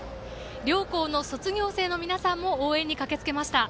両校の卒業生の皆さんも応援に駆けつけました。